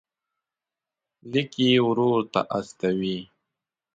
لیک یې ورور ته استوي.